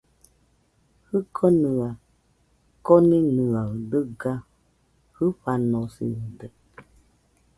Jikonɨa koninɨaɨ dɨga jɨfanosɨde